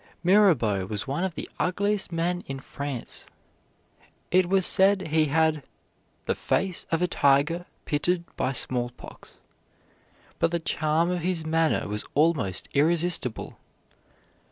Mirabeau was one of the ugliest men in France. It was said he had "the face of a tiger pitted by smallpox," but the charm of his manner was almost irresistible.